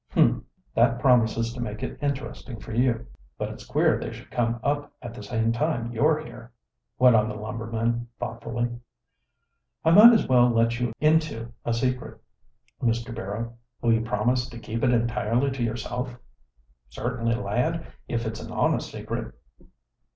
"Humph! That promises to make it interesting for you. But it's queer they should come up at the same time you're here," went on the lumberman thoughtfully. "I might as well let you into a secret, Mr. Barrow. Will you promise to keep it entirely to yourself?" "Certainly, lad, if it's an honest secret."